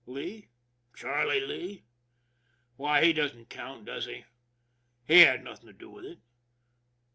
Lee? Charlie Lee? Why, he doesn't count, does he? He had nothing to do with it.